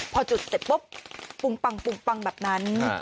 พอจุดเสร็จปุ๊บปุงปังแบบนั้น